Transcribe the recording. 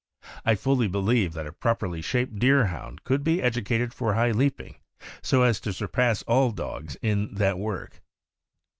I fully believe that a properly shaped Deerhound could be edu cated for high leaping so as to surpass all dogs in that work.